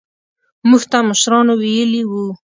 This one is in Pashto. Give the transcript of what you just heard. موږ ته مشرانو ويلي وو.